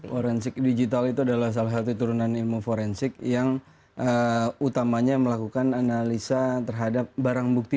forensik digital itu adalah salah satu turunan ilmu forensik yang utamanya melakukan analisa terhadap barang bukti